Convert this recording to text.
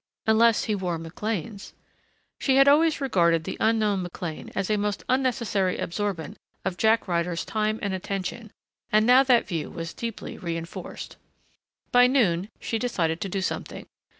Unless he wore McLean's. She had always regarded the unknown McLean as a most unnecessary absorbent of Jack Ryder's time and attention and now that view was deeply reinforced. By noon she decided to do something.